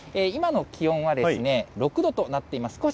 今の気温はですね、６度となっています。